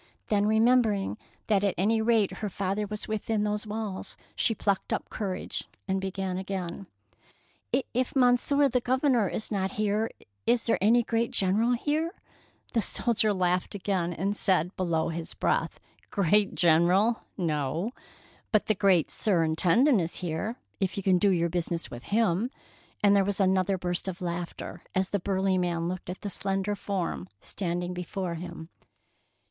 Then remembering that at any 214 THE PEARL NECKLACE rate her father was within those walls, she plucked up courage and began again. "If Monsieur the Governor is not here, is there any great general here I " The soldier laughed again, and said below his breath, — "Great general — no; but the great Sir Intendant is here, if you can do your business with him"; and there was another burst of laughter as the burly man looked at the slender form standing before him.